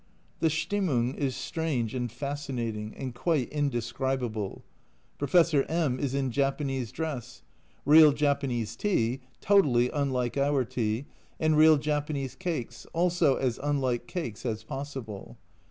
The Stimmung is strange and fascinating, and quite indescribable. Professor M is in Japanese dress ; real Japanese tea (totally unlike our tea) and real Japanese cakes, also as unlike cakes as possible.